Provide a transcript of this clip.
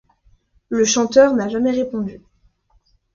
Le chanteur n'a jamais répondu.